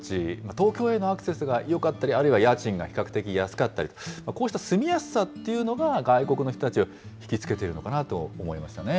東京へのアクセスがよかったり、あるいは家賃が比較的安かったり、こうした住みやすさっていうのが、外国の人たちを引き付けているのかなと思いましたね。